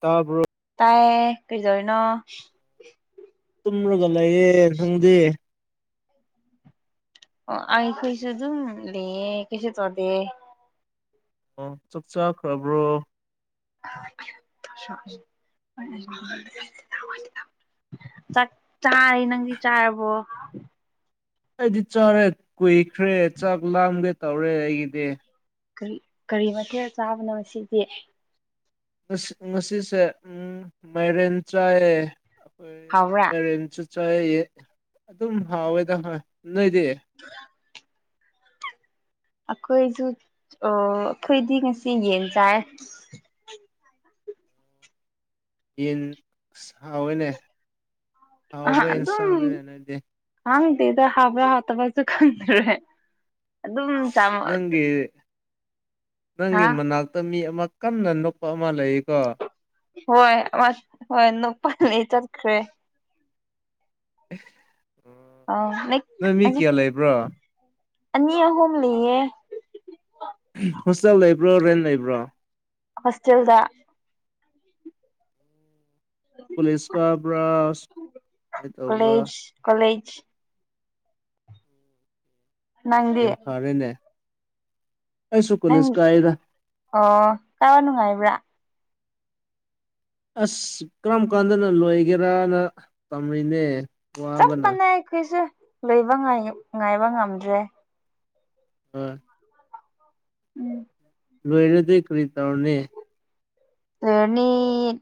ꯇꯥꯕ꯭ꯔꯣ ꯇꯥꯏꯌꯦ ꯀꯩꯗꯧꯔꯤꯅꯣ ꯇꯨꯝꯔꯒ ꯂꯩꯌꯦ ꯅꯪꯗꯤ ꯑꯣ ꯑꯩꯈꯣꯏꯁꯨ ꯑꯗꯨꯝ ꯂꯤꯌꯦ ꯀꯩꯁꯨ ꯇꯧꯗꯤꯌꯦ ꯑꯣ ꯆꯥꯛ ꯆꯥꯈ꯭ꯔꯕ꯭ꯔꯣ [unintelligible] ꯆꯥꯛ ꯆꯥꯔꯤ ꯅꯪꯗꯤ ꯆꯥꯔꯕꯣ ꯑꯩꯗꯤ ꯆꯥꯔꯦ ꯀꯨꯏꯈ꯭ꯔꯦ ꯆꯥꯛ ꯂꯥꯝꯒꯦ ꯇꯧꯔꯦ ꯑꯩꯒꯤꯗꯤ ꯀꯔꯤ ꯀꯔꯤ ꯃꯊꯦꯜ ꯆꯥꯕꯅꯣ ꯉꯁꯤꯗꯤ ꯉꯁꯤ ꯉꯁꯤꯁꯦ ꯎꯝ ꯃꯥꯏꯔꯦꯟ ꯆꯥꯏꯌꯦ ꯑꯈꯣꯏ ꯍꯥꯎꯕ꯭ꯔꯥ ꯃꯥꯏꯔꯦꯟꯁꯨ ꯆꯥꯏꯌꯦ ꯑꯗꯨꯝ ꯍꯥꯎꯋꯦꯗ ꯍꯣꯏ ꯅꯣꯏꯗꯤ ꯑꯈꯣꯏꯁꯨ ꯑꯣ ꯑꯈꯣꯏꯗꯤ ꯉꯁꯤ ꯌꯦꯟ ꯆꯥꯏꯌꯦ ꯌꯦꯟ ꯍꯥꯎꯋꯦꯅꯦ ꯑꯍ ꯍꯥꯎꯕ ꯑꯗꯨꯝ ꯌꯦꯟꯁꯥꯡꯅꯤꯅꯦ ꯅꯣꯏꯗꯤ ꯈꯪꯗꯦꯗ ꯍꯥꯎꯕ꯭ꯔꯥ ꯍꯥꯎꯇꯕ꯭ꯔꯁꯨ ꯈꯪꯗ꯭ꯔꯦ ꯑꯗꯨꯝ ꯆꯥꯝꯃ ꯒꯤ ꯅꯪꯒꯤ ꯃꯅꯥꯛꯇ ꯃꯤ ꯑꯃ ꯀꯟꯅ ꯅꯣꯛꯄ ꯑꯃ ꯂꯩꯌꯦꯀꯣ ꯍꯣꯏ ꯍꯣꯢ ꯍꯣꯏ ꯅꯣꯛꯄꯅꯤ ꯆꯠꯈ꯭ꯔꯦ ꯎꯝ ꯑꯥ ꯅ ꯅꯣꯏ ꯃꯤ ꯍꯧꯖꯤꯛ ꯀꯌꯥ ꯂꯩꯕ꯭ꯔꯥ ꯑꯅꯤ ꯑꯍꯨꯝ ꯂꯩꯌꯦ ꯍꯣꯁꯇꯦꯜ ꯂꯩꯕ꯭ꯔꯣ ꯔꯦꯟ ꯂꯩꯕ꯭ꯔꯣ ꯍꯣꯁꯇꯦꯜꯗ ꯀꯣꯂꯦꯁ ꯀꯥꯕ꯭ꯔꯥ ꯀꯃꯥꯏ ꯇꯧꯕ꯭ꯔꯥ ꯀꯣꯂꯦꯖ ꯀꯣꯂꯦꯖ ꯅꯪꯗꯤ ꯌꯥꯝ ꯐꯔꯦꯅꯦ ꯑꯩꯁꯨ ꯀꯣꯂꯦꯖ ꯅꯪ ꯀꯥꯏꯗ ꯑꯣ ꯀꯥꯕ ꯅꯨꯡꯉꯥꯏꯕ꯭ꯔꯥ ꯑꯁ ꯀꯔꯝ ꯀꯥꯟꯗꯅ ꯂꯣꯏꯒꯦꯔꯅ ꯇꯝꯃꯤꯅꯦ ꯆꯞ ꯃꯥꯟꯅꯩ ꯑꯩꯈꯣꯏꯁꯨ ꯂꯩꯕ ꯉꯥꯏ ꯉꯥꯏꯕ ꯉꯝꯗ꯭ꯔꯦ ꯍꯣꯏ ꯎꯝ ꯂꯣꯏꯔꯗꯤ ꯀꯔꯤ ꯇꯧꯔꯅꯤ ꯂꯣꯏꯔꯅꯤ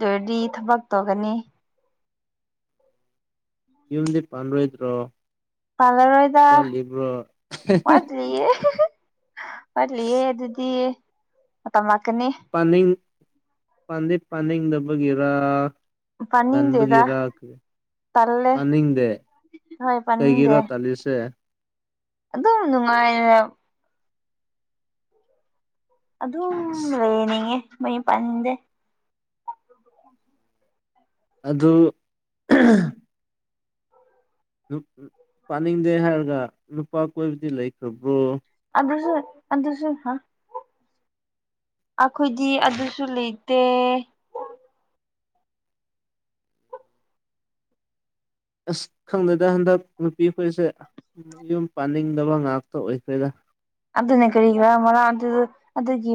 ꯂꯣꯏꯔꯗꯤ ꯊꯕꯛ ꯇꯧꯒꯅꯤ ꯌꯨꯝꯗꯤ ꯄꯥꯟꯔꯣꯏꯗ꯭ꯔꯣ ꯄꯥꯂꯔꯣꯏꯗ ꯋꯥꯠꯂꯤꯕ꯭ꯔꯣ ꯋꯥꯠꯂꯤꯌꯦ ꯋꯥꯠꯂꯤꯌꯦ ꯑꯗꯨꯗꯤ ꯃꯇꯝ ꯂꯥꯛꯀꯅꯤ ꯄꯥꯅꯤꯡ ꯄꯥꯟꯗꯤ ꯄꯥꯅꯤꯡꯗꯕꯒꯤꯔ ꯄꯥꯅꯤꯡꯗꯦꯗ ꯉꯟꯕꯒꯤꯔ ꯀꯔꯤ ꯇꯜꯂꯦ ꯄꯥꯅꯤꯡꯗꯦ ꯍꯣꯏ ꯀꯩꯒꯤꯔꯣ ꯄꯥꯅꯤꯡꯗꯦ ꯇꯥꯜꯂꯤꯁꯦ ꯑꯗꯨꯝ ꯅꯨꯡꯉꯥꯏꯔ ꯑꯗꯨꯝ ꯂꯩꯅꯤꯡꯉꯦ ꯃꯌꯨꯝ ꯄꯥꯅꯤꯡꯗꯦ ꯑꯗꯨ [unintelligible] ꯄꯥꯅꯤꯡꯗꯦ ꯍꯥꯏꯔꯒ ꯅꯨꯄꯥ ꯀꯣꯏꯕꯗꯤ ꯂꯩꯈ꯭ꯔꯕ꯭ꯔꯣ ꯑꯗꯨꯁꯨ ꯑꯗꯨꯁꯨ ꯍꯥ ꯑꯩꯈꯣꯏꯗꯤ ꯑꯗꯨꯁꯨ ꯂꯩꯇꯦ ꯑꯁ ꯈꯪꯗꯦꯗ ꯍꯟꯗꯛ ꯅꯨꯄꯤ ꯑꯩꯈꯣꯏꯁꯦ ꯌꯨꯝ ꯄꯥꯅꯤꯡꯗꯕ ꯉꯥꯛꯇ ꯑꯣꯏꯈ꯭ꯔꯦꯗ ꯑꯗꯨꯅꯦ ꯀꯔꯤ ꯀꯔꯥ ꯃꯔꯥ ꯑꯗꯨ ꯑꯗꯨꯒꯤ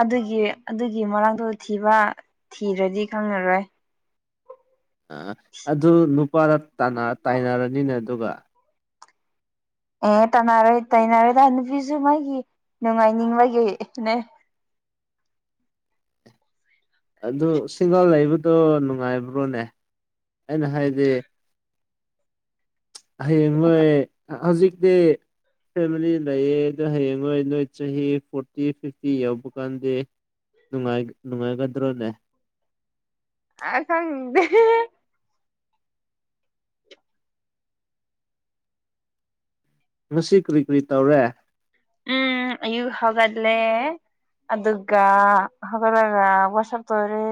ꯑꯗꯨꯒꯤ ꯑꯗꯨꯒꯤ ꯃꯔꯛꯇꯣ ꯊꯤꯕ ꯊꯤꯔꯗꯤ ꯈꯪꯉꯔꯣꯏ ꯑ ꯑꯗꯨ ꯅꯨꯄꯥꯗ ꯇꯥꯅ ꯇꯥꯏꯅꯔꯅꯤꯅꯦ ꯑꯗꯨꯒ ꯑꯦ ꯇꯥꯟꯅꯔꯣꯏ ꯇꯥꯏꯅꯔꯣꯏꯗ ꯅꯨꯄꯤꯁꯨ ꯃꯥꯒꯤ ꯅꯨꯡꯉꯥꯏꯅꯤꯡꯕꯒꯤꯅꯦ ꯑꯗꯨ ꯁꯤꯡꯒꯜ ꯂꯩꯕꯗꯣ ꯅꯨꯡꯉꯥꯏꯕ꯭ꯔꯣꯅꯦ ꯑꯩꯅ ꯍꯥꯏꯗꯤ ꯍꯌꯦꯡꯂꯣꯏ ꯍꯧꯖꯤꯛꯇꯤ ꯐꯦꯃꯤꯂꯤ ꯂꯩꯌꯦꯗꯣ ꯍꯌꯦꯡꯋꯥꯏ ꯅꯣꯏ ꯆꯍꯤ ꯐꯣꯔꯇꯤ ꯐꯤꯐꯇꯤ ꯌꯧꯕ ꯀꯥꯟꯗꯤ ꯅꯨꯡꯉꯥꯏ ꯅꯨꯡꯉꯥꯏꯒꯗ꯭ꯔꯣꯅꯦ ꯑ ꯈꯪꯗꯦ ꯉꯁꯤ ꯀꯔꯤ ꯀꯔꯤ ꯇꯧꯔꯦ ꯎꯝ ꯑꯌꯨꯛ ꯍꯧꯒꯠꯂꯦ ꯑꯗꯨꯒ ꯍꯧꯒꯠꯂꯒ ꯋꯥꯁꯞ ꯇꯧꯔꯤ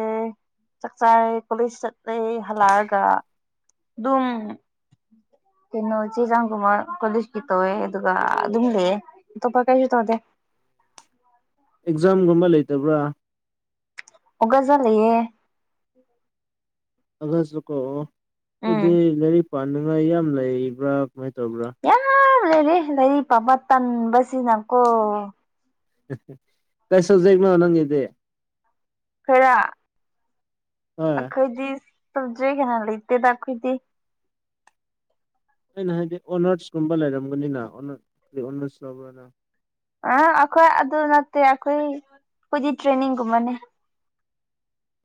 ꯆꯛꯆꯥꯔꯦ ꯀꯣꯂꯦꯖ ꯆꯠꯂꯦ ꯍꯜꯂꯛꯑꯒ ꯑꯗꯨꯝ ꯀꯩꯅꯣ ꯆꯦ ꯆꯥꯡꯒꯨꯝꯕ ꯀꯣꯂꯤꯖꯀꯤ ꯇꯧꯋꯦ ꯑꯗꯨꯒ ꯑꯗꯨꯝ ꯂꯩꯑꯦ ꯑꯇꯣꯞꯄ ꯀꯩꯁꯨ ꯇꯧꯗꯦ ꯑꯦꯛꯖꯥꯝꯒꯨꯝꯕ ꯂꯩꯇꯕ꯭ꯔꯥ ꯑꯣꯒꯖ ꯂꯩꯌꯦ ꯑꯒꯁꯁꯨ ꯀꯥꯎꯑꯣ ꯎꯝ ꯑꯗꯨꯗꯤ ꯂꯥꯏꯔꯤꯛ ꯄꯥꯅꯤꯡꯉꯥꯏ ꯌꯥꯝ ꯂꯩꯕ꯭ꯔꯥ ꯀꯃꯥꯏꯅ ꯇꯧꯕ꯭ꯔꯥ ꯌꯥꯝ ꯂꯩꯔꯤ ꯂꯩꯔꯤꯛ ꯄꯥꯕ ꯇꯟꯕ ꯁꯤꯅꯀꯣ ꯀꯩ ꯁꯕꯖꯦꯛꯅꯣ ꯅꯪꯒꯤꯗꯤ ꯀꯔꯤꯔ ꯍꯣꯏ ꯑꯈꯣꯏꯗꯤ ꯁꯕꯖꯦꯛ ꯍꯥꯅ ꯂꯩꯇꯦꯗ ꯑꯈꯣꯏꯗꯤ ꯑꯩꯅ ꯍꯥꯏꯗꯤ ꯑꯣꯅꯔꯁꯀꯨꯝꯕ ꯂꯩꯔꯝꯒꯅꯤꯅ ꯑꯣꯅꯔ ꯀꯩ ꯑꯣꯅꯔꯁ ꯂꯧꯕ꯭ꯔ ꯅꯪ ꯑ ꯑꯩꯈꯣꯏ ꯑꯗꯨ ꯅꯠꯇꯦ ꯑꯩꯈꯣꯏ ꯑꯩꯈꯣꯏꯗꯤ ꯇ꯭ꯔꯦꯅꯤꯡꯒꯨꯝꯕꯅꯤ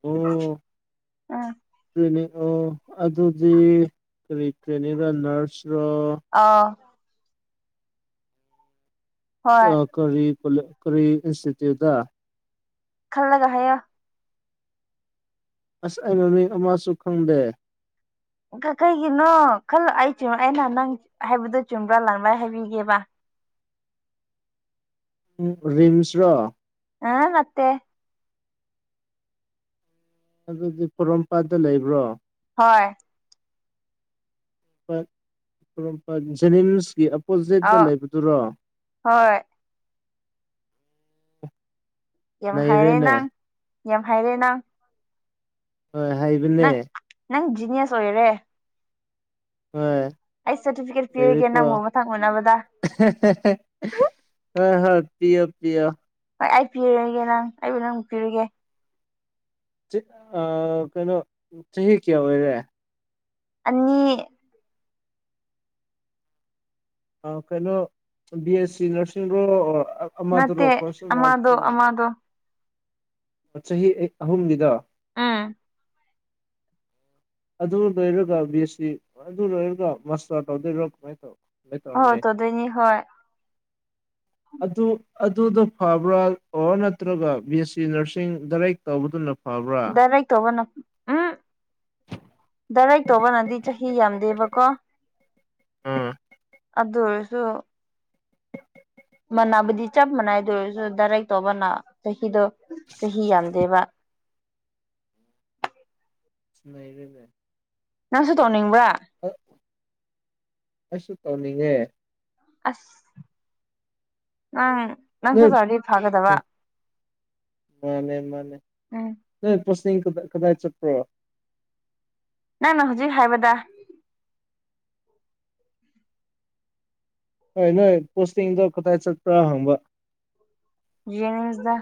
ꯑꯣ ꯎꯝ ꯇ꯭ꯔꯦꯅꯤꯡ ꯑꯣ ꯑꯗꯨꯗꯤ ꯀꯔꯤ ꯇ꯭ꯔꯦꯅꯤꯡꯔ ꯅꯥꯔꯁꯔꯣ ꯑꯥ ꯍꯣꯏ ꯑ ꯀꯔꯤ ꯀꯣꯂ ꯀꯔꯤ ꯏꯟꯁꯇꯤꯇ꯭ꯨꯏꯠꯇ ꯈꯜꯂꯒ ꯍꯥꯏꯌꯣ ꯑꯁ ꯑꯩ ꯃꯃꯤꯡ ꯑꯃꯁꯨ ꯈꯪꯗꯦ ꯀ ꯀꯩꯒꯤꯅꯣ ꯈꯜꯂ ꯑꯩ ꯆꯨꯝ ꯑꯩꯅ ꯅꯪ ꯍꯥꯏꯕꯗꯣ ꯆꯨꯝꯕ꯭ꯔꯥ ꯂꯥꯟꯕ꯭ꯔꯥ ꯍꯥꯏꯕꯤꯒꯦꯕ ꯎꯝ ꯔꯤꯝꯁ ꯔꯣ ꯑꯥ ꯅꯠꯇꯦ ꯑꯗꯨꯗꯤ ꯄꯣꯔꯣꯝꯄꯥꯠꯇ ꯂꯩꯕ꯭ꯔꯣ ꯍꯣꯏ ꯄꯣꯔꯣꯝꯄꯥꯠ ꯖꯦꯅꯤꯝꯁꯀꯤ ꯑꯣꯄꯣꯖꯤꯠꯇ ꯑꯧ ꯂꯩꯕꯗꯨꯔꯣ ꯍꯣꯏ ꯌꯥꯝ ꯍꯩꯔꯦ ꯅꯩꯔꯦꯅꯦ ꯅꯪ ꯌꯥꯝ ꯍꯩꯔꯦ ꯅꯪ ꯍꯣꯏ ꯍꯩꯕꯅꯦ ꯅꯪ ꯅꯪ ꯖꯤꯅꯤꯌꯁ ꯑꯣꯏꯔꯦ ꯍꯣꯏ ꯑꯩ ꯁꯥꯔꯇꯤꯐꯤꯀꯦꯠ ꯄꯤꯔꯒꯦ ꯅꯪꯕꯨ ꯃꯊꯪ ꯎꯨꯅꯕꯗ ꯍꯦꯍꯦꯍꯦ ꯍꯣꯏ ꯍꯣꯏ ꯄꯤꯌꯣ ꯄꯤꯌꯣ ꯍꯣꯏ ꯑꯩ ꯄꯤꯔꯒꯦ ꯅꯪ ꯑꯩꯕꯨ ꯅꯪꯕꯨ ꯄꯤꯔꯒꯦ ꯆꯤ ꯑ ꯀꯩꯅꯣ ꯆꯍꯤ ꯀꯌꯥ ꯑꯣꯏꯔꯦ ꯑꯅꯤ ꯑ ꯀꯩꯅꯣ ꯕꯤ ꯑꯦꯁ ꯁꯤ ꯅꯔꯁꯤꯡꯔꯣ ꯑꯣꯔ ꯑꯃ ꯗꯨꯔꯣ ꯅꯠꯇꯦ ꯀꯣꯔꯁ ꯑꯃ ꯑꯃꯗꯣ ꯑꯃꯗꯣ [unintelligible] ꯆꯍꯤ ꯑꯍꯨꯝꯒꯤꯗꯣ ꯎꯝ ꯑꯗꯨ ꯂꯣꯏꯔꯒ ꯕꯤ ꯑꯦꯁ ꯁꯤ ꯑꯗꯨ ꯂꯣꯏꯔꯒ ꯃꯥꯁꯇꯔ ꯇꯧꯗꯣꯏꯔꯣ ꯀꯃꯥꯏꯅ ꯇꯧꯕ ꯑꯣ ꯇꯧꯗꯣꯏꯅꯤ ꯍꯣꯏ ꯑꯗꯨ ꯑꯗꯨꯗ ꯐꯕ꯭ꯔꯥ ꯑꯣꯔ ꯅꯠꯇ꯭ꯔꯒ ꯕꯤ ꯑꯦꯁ ꯁꯤ ꯅꯔꯁꯤꯡ ꯗꯥꯏꯔꯦꯛ ꯇꯧꯕꯗꯨꯅ ꯐꯕ꯭ꯔꯥ ꯗꯥꯏꯔꯦꯛ ꯇꯧꯕꯅꯦ ꯎꯝ ꯗꯥꯏꯔꯦꯛ ꯇꯧꯕꯅꯗꯤ ꯆꯍꯤ ꯌꯥꯝꯗꯦꯕꯀꯣ ꯑꯝ ꯑꯗꯨ ꯑꯣꯏꯔꯁꯨ ꯃꯥꯟꯅꯥꯕꯨꯗꯤ ꯆꯞ ꯃꯥꯟꯅꯩ ꯑꯗꯨ ꯑꯣꯏꯔꯁꯨ ꯗꯥꯏꯔꯦꯛ ꯇꯧꯕꯅ ꯆꯍꯤꯗꯣ ꯆꯍꯤ ꯌꯥꯝꯗꯦꯕ ꯅꯨꯡꯉꯥꯏꯔꯦꯅꯦ ꯅꯪꯁꯨ ꯇꯧꯅꯤꯡꯕ꯭ꯔꯥ ꯑꯩꯁꯨ ꯇꯧꯅꯤꯡꯉꯦ ꯑꯁ [unintelligible] ꯐꯒꯗꯕ [unintelligible] ꯃꯥꯅꯦ ꯃꯥꯅꯦ ꯎꯝ [unintelligible] [unintelligible] ꯀꯗꯥꯏ ꯆꯠꯄ꯭ꯔꯣ ꯅꯪꯅ ꯍꯧꯖꯤꯛ ꯍꯥꯏꯕꯗꯥ ꯍꯣꯏ ꯅꯣꯏ ꯄꯣꯁꯇꯤꯡꯗꯣ ꯀꯗꯥꯥꯏ ꯆꯠꯄ꯭ꯔꯥ ꯍꯪꯕ ꯖꯦꯅꯤꯝꯁꯗ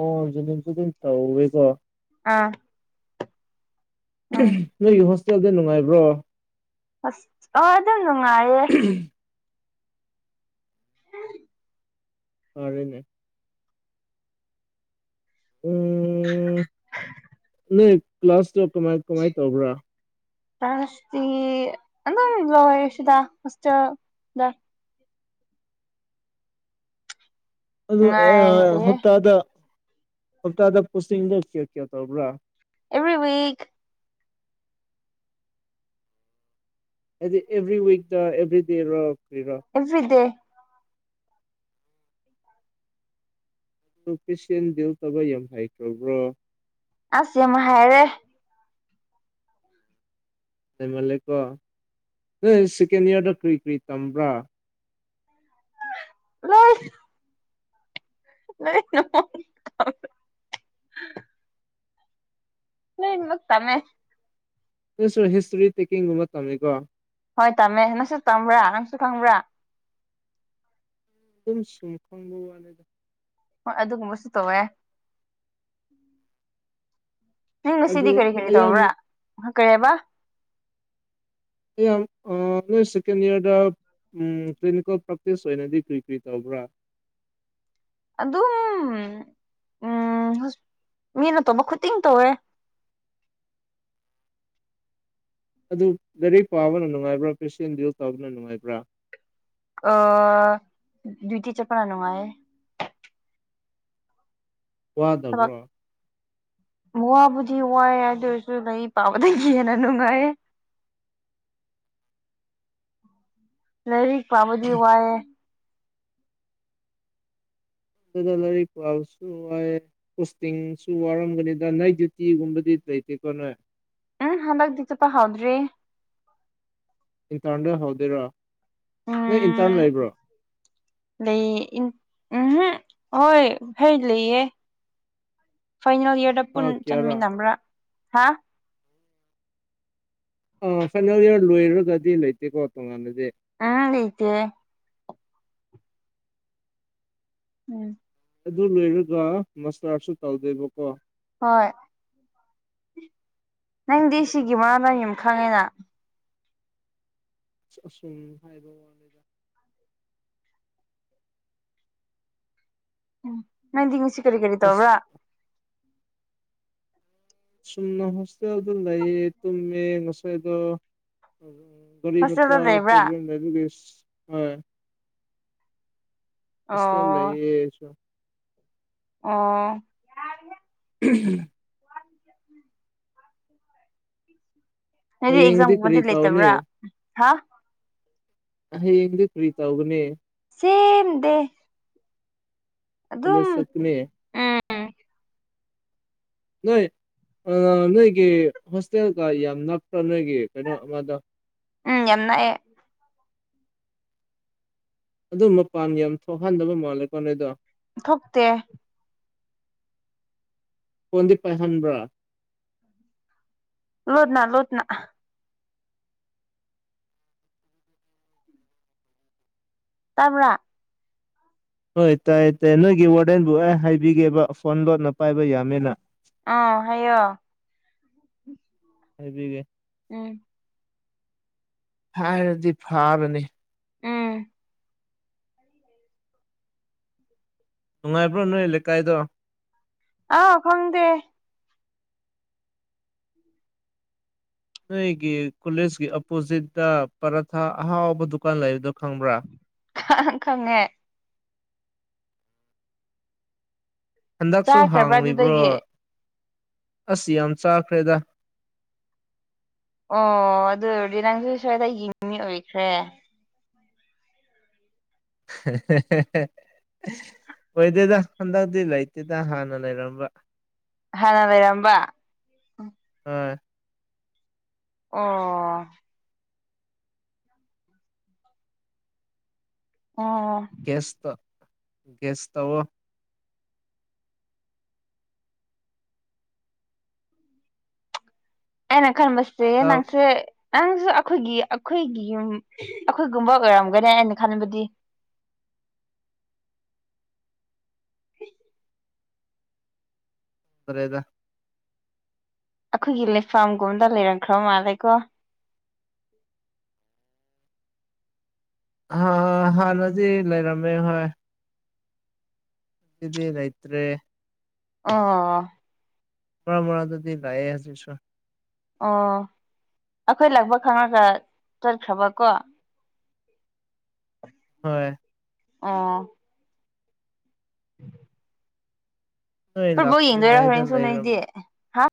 ꯑꯣ ꯖꯦꯅꯤꯝꯁꯄꯨꯗꯤ ꯇꯧꯋꯤꯀꯣ ꯑꯥ ꯎꯝ ꯅꯣꯏꯒꯤ ꯍꯣꯁꯇꯦꯜꯗ ꯅꯨꯡꯉꯥꯏꯕ꯭ꯔꯣ ꯑꯁ ꯑꯣ ꯑꯗꯨꯝ ꯅꯨꯡꯉꯥꯏꯌꯦ [inaudible] ꯐꯔꯦꯅꯦ ꯎꯝ ꯅꯣꯏ ꯀ꯭ꯂꯥꯁꯇꯣ ꯀꯃꯥꯏ ꯀꯃꯥꯏꯟ ꯇꯧꯕ꯭ꯔꯥ ꯀꯂ꯭ꯥꯁꯇꯤ ꯑꯗꯨꯝ ꯂꯣꯏꯔꯦ ꯁꯤꯗ ꯍꯣꯁꯇꯦꯜꯗ ꯑꯗꯨ ꯑꯦ ꯅꯨꯡꯉꯥꯏꯔꯤꯌꯦ ꯍꯞꯇꯥꯗ ꯍꯞꯇꯥꯗ ꯄꯣꯁꯇꯤꯡꯗꯣ ꯀꯌꯥ ꯀꯌꯥ ꯇꯧꯕ꯭ꯔꯥ ꯑꯦꯕ꯭ꯔꯤꯋꯤꯛ ꯍꯥꯏꯗꯤ ꯑꯦꯚ꯭ꯔꯤ ꯋꯤꯛꯗ ꯑꯦꯚ꯭ꯔꯤ ꯗꯦ ꯔ ꯀꯔꯤꯔ ꯑꯦꯕ꯭ꯔꯤꯗꯦ ꯄꯦꯁꯦꯟ ꯗꯤꯜ ꯇꯧꯕ ꯌꯥꯝ ꯍꯥꯏꯈ꯭ꯔꯕ꯭ꯔꯣ ꯑꯁ ꯌꯥꯝ ꯍꯥꯏꯔꯦ ꯍꯩꯃꯜꯂꯦꯀꯣ ꯅꯣꯏ ꯁꯦꯀꯦꯟ ꯏꯌꯥꯔꯗ ꯀꯔꯤ ꯀꯔꯤ ꯇꯝꯕ꯭ꯔꯥ ꯂꯣꯏ ꯂꯣꯏꯅꯥ ꯂꯣꯏꯅꯃꯛ ꯇꯝꯃꯦ ꯅꯪꯁꯨ ꯍꯤꯁꯇꯔꯤ ꯇꯦꯛꯀꯤꯡꯒꯨꯝꯕ ꯇꯝꯃꯤꯀꯣ ꯍꯣꯏ ꯇꯝꯃꯦ ꯅꯪꯁꯨ ꯇꯝꯕ꯭ꯔꯥ ꯅꯪꯁꯨ ꯈꯪꯕ꯭ꯔꯥ ꯑꯗꯨꯝ ꯁꯨꯝ ꯈꯪꯕꯋꯥꯅꯦꯗ ꯍꯣꯏ ꯑꯗꯨꯒꯨꯝꯕꯁꯨ ꯇꯧꯋꯦ ꯅꯪ ꯉꯁꯤꯗꯤ ꯑꯗꯨ ꯀꯔꯤ ꯀꯔꯤ ꯑꯌꯥꯝ ꯇꯧꯕ꯭ꯔꯥ ꯀꯔꯤ ꯍꯥꯏꯕꯥ ꯌꯥꯝ ꯑ ꯅꯣꯏ ꯁꯦꯀꯦꯟ ꯏꯌꯔꯗ ꯎꯝ ꯀ꯭ꯂꯤꯅꯤꯀꯦꯜ ꯄ꯭ꯔꯥꯄꯣꯁ ꯑꯣꯏꯅꯗꯤ ꯀꯔꯤ ꯀꯔꯤ ꯇꯧꯕ꯭ꯔꯥ ꯑꯗꯨꯝ ꯎꯝ ꯍꯣꯁ ꯃꯤꯅ ꯇꯧꯕ ꯈꯨꯇꯤꯡ ꯇꯧꯋꯦ ꯑꯗꯨ ꯂꯥꯏꯔꯤꯛ ꯄꯥꯕꯅ ꯅꯨꯡꯉꯥꯏꯕ꯭ꯔꯥ ꯄꯦꯁꯦꯟ ꯗꯤꯜ ꯇꯧꯕꯅ ꯅꯨꯡꯉꯥꯏꯕ꯭ꯔꯥ ꯑ ꯗꯌꯨꯇꯤ ꯆꯠꯄꯅꯥ ꯅꯨꯡꯉꯥꯏꯌꯦ ꯊꯕꯛ ꯋꯥꯗꯕ꯭ꯔꯣ ꯋꯥꯕꯨꯗꯤ ꯋꯥꯏ ꯑꯗꯨꯑꯣꯏꯔꯁꯨ ꯂꯩꯔꯤꯛ ꯄꯥꯕꯗꯒꯤ ꯍꯦꯟꯅ ꯅꯨꯡꯉꯥꯏꯌꯦ ꯂꯥꯏꯔꯤꯛ ꯄꯥꯕꯗꯤ ꯋꯥꯏꯑꯦ ꯈꯣꯏꯗꯤ ꯂꯥꯏꯔꯤꯛ ꯄꯥꯕꯁꯨ ꯋꯥꯏꯌꯦ ꯄꯣꯁꯇꯤꯡꯁꯨ ꯋꯥꯔꯝꯒꯅꯤꯗ ꯅꯥꯏꯠ ꯗ꯭ꯌꯨꯇꯤꯒꯨꯝꯕꯗꯤ ꯂꯩꯇꯦꯀꯣ ꯅꯣꯏ ꯎꯝ ꯍꯟꯗꯛꯇꯤ ꯆꯠꯄ ꯍꯥꯎꯗ꯭ꯔꯤ ꯏꯟꯇꯔꯟ ꯗꯩꯩ ꯍꯧꯗꯣꯏꯔꯣ꯫ ꯅꯣꯏ ꯏꯟꯇꯔꯟ ꯎꯝ ꯂꯩꯕ꯭ꯔꯣ ꯂꯩ ꯏꯟ ꯎꯝꯍꯨꯝ ꯍꯣꯏ ꯐꯩ ꯂꯩꯌꯦ ꯐꯥꯏꯅꯦꯜ ꯏꯌꯥꯔꯗ ꯊꯥ ꯄꯨꯟ ꯀꯌꯥꯔꯥ ꯆꯟꯃꯤꯟꯅꯕ꯭ꯔꯥ ꯍꯥ ꯑ ꯐꯥꯏꯅꯦꯜ ꯏꯌꯥꯔ ꯂꯣꯏꯔꯒꯗꯤ ꯂꯩꯇꯦꯀꯣ ꯇꯣꯉꯥꯟꯅꯗꯤ ꯎꯝ ꯂꯩꯇꯦ ꯎꯝ ꯑꯗꯨ ꯂꯣꯏꯔꯒ ꯃꯁꯂꯥꯔꯁꯨ ꯇꯧꯗꯦꯕꯀꯣ ꯍꯣꯏ ꯅꯪꯗꯤ ꯁꯤꯒꯤ ꯃꯔꯝ ꯌꯥꯝ ꯈꯪꯉꯤꯅ ꯑꯁꯨꯝ ꯍꯥꯏꯕ ꯋꯥꯅꯤꯗ ꯎꯝ ꯅꯪꯗꯤ ꯉꯁꯤ ꯀꯔꯤ ꯀꯔꯤ ꯇꯧꯕ꯭ꯔꯥ ꯆꯨꯝꯅ ꯍꯣꯁꯇꯦꯜꯗ ꯂꯩꯌꯦ ꯇꯨꯝꯃꯦ ꯉꯁꯥꯏꯗꯣ [unintelligible] ꯒꯔꯤꯃꯆꯥ ꯍꯣꯁꯇꯦꯜꯗ ꯂꯩꯕ꯭ꯔꯥ ꯄꯔꯣꯕꯂꯦꯝ ꯂꯩꯕꯒꯤ ꯏꯁ ꯑꯥꯏ ꯍꯣꯋꯇꯦꯜ ꯑꯣ ꯂꯩꯌꯦ ꯑꯩꯁꯨ ꯑꯣ [unintelligible] ꯅꯪꯗꯤ ꯍꯌꯦꯡꯗꯤ ꯀꯔꯤ ꯑꯦꯛꯖꯥꯝꯒꯨꯝꯕꯗꯤ ꯇꯧꯅꯤ ꯂꯩꯇꯕ꯭ꯔꯥ ꯍꯥ ꯍꯌꯦꯡꯗꯤ ꯀꯔꯤꯇꯧꯒꯅꯤ ꯁꯦꯟ ꯗꯦ ꯑꯗꯨꯝ ꯀꯣꯂꯦꯁ ꯆꯠꯄꯅꯦ ꯎꯝ ꯅꯣꯏ ꯑꯥ ꯅꯣꯏꯒꯤ ꯍꯣꯁꯇꯦꯜꯒ ꯌꯥꯝ ꯅꯛꯄꯔ ꯅꯣꯏꯒꯤ ꯀꯩꯅꯣ ꯑꯃꯗꯣ ꯎꯝ ꯌꯥꯝ ꯅꯛꯑꯦ ꯑꯗꯨ ꯃꯄꯥꯟ ꯌꯥꯝ ꯊꯣꯛꯍꯟꯗꯕ ꯃꯥꯜꯂꯦꯀꯣ ꯅꯣꯏꯗꯣ ꯊꯣꯛꯇꯦ ꯐꯣꯟꯗꯤ ꯄꯥꯏꯍꯟꯕ꯭ꯔꯥ ꯂꯣꯠꯅꯥ ꯂꯣꯠꯅꯥ ꯇꯥꯕꯔ ꯍꯣꯏ ꯇꯥꯏ ꯇꯥꯏ ꯅꯣꯏꯒꯤ ꯋꯥꯔꯗꯦꯟꯕꯨ ꯑꯦ ꯍꯥꯏꯕꯤꯒꯦꯕ ꯐꯣꯟ ꯂꯣꯠꯅ ꯄꯥꯏꯕ ꯌꯥꯃꯦꯅ ꯑ ꯍꯥꯏꯌꯣ ꯍꯥꯏꯕꯤꯒꯦ ꯎꯝ ꯍꯥꯏꯔꯗꯤ ꯐꯥꯕꯅꯤ ꯎꯝ ꯅꯨꯡꯉꯥꯏꯕ꯭ꯔꯣ ꯅꯣꯏ ꯂꯩꯀꯥꯏꯗꯣ ꯑꯥ ꯈꯪꯗꯦ ꯅꯣꯏꯒꯤ ꯀꯣꯂꯦꯖꯀꯤ ꯑꯣꯄꯣꯖꯤꯠꯇ ꯄꯔꯊꯥ ꯑꯍꯥꯎꯕ ꯗꯨꯀꯥꯟ ꯂꯩꯕꯗꯣ ꯈꯪꯕ꯭ꯔꯥ [unintelligible] ꯈꯪꯉꯦ ꯍꯟꯗꯛꯁꯨ ꯆꯥꯈ꯭ꯔꯕ꯭ꯔꯥ ꯍꯥꯡꯂꯤꯕ꯭ꯔꯣ ꯑꯗꯨꯗꯒꯤ ꯑꯁ ꯌꯥꯝ ꯆꯥꯈ꯭ꯔꯦꯗ ꯑꯣ ꯑꯗꯨ ꯑꯣꯏꯔꯗꯤ ꯅꯪꯁꯨ ꯁ꯭ꯋꯥꯏꯗ ꯌꯦꯡꯃꯤ ꯑꯣꯏꯈ꯭ꯔꯦ [unintelligible] ꯑꯣꯏꯗꯦꯗ ꯍꯟꯗꯛꯇꯤ ꯂꯩꯇꯦꯗ ꯍꯥꯟꯅ ꯂꯩꯔꯝꯕ ꯍꯥꯟꯅ ꯂꯩꯔꯝꯕ ꯍꯣꯏ ꯑꯣ ꯑꯣ ꯒꯦꯁꯇ ꯒꯦꯁꯇꯧꯑꯣ ꯑꯩꯅ ꯈꯟꯕꯁꯦ ꯆꯥꯛ ꯅꯪꯁꯦ ꯅꯪꯁꯨ ꯑꯩꯈꯣꯏꯒꯤ ꯑꯩꯈꯣꯏꯒꯤ ꯌꯨꯝ ꯑꯩꯈꯣꯏꯒꯨꯝꯕ ꯑꯣꯏꯔꯝꯒꯅꯤ ꯑꯩꯅ ꯈꯟꯕꯗꯤ ꯇꯔꯦꯗ ꯑꯩꯈꯣꯏꯒꯤ ꯂꯩꯐꯝꯥꯝꯒꯨꯝꯕꯗ ꯂꯩꯔꯝꯈ꯭ꯔꯕ ꯃꯥꯜꯂꯦꯀꯣ ꯑ ꯍꯥꯟꯅꯗꯤ ꯂꯩꯔꯝꯃꯦ ꯍꯣꯏ [unintelligible] ꯗꯤ ꯂꯩꯇ꯭ꯔꯦ ꯑꯣ ꯑ ꯃꯔꯛ ꯃꯔꯛꯇꯗꯗꯤ ꯂꯥꯏꯌꯦ ꯍꯧꯖꯤꯛꯁꯨ ꯑꯣ ꯑꯩꯈꯣꯏ ꯂꯥꯛꯄ ꯈꯪꯉꯒ ꯆꯠꯈ꯭ꯔꯕꯀꯣ ꯍꯣꯏ ꯑꯣ [inaudible] ꯅꯣꯏ ꯐꯨꯠꯕꯣꯜ ꯌꯦꯡꯗꯣꯏꯔꯥ ꯂꯥꯛꯇ꯭ꯔꯤꯉꯩꯗ ꯍꯣꯔꯦꯟꯁꯨ ꯂꯩꯔꯝ ꯅꯣꯏꯗꯤ ꯍꯥ